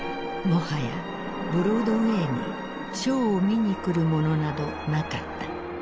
もはやブロードウェイにショーを見に来る者などなかった。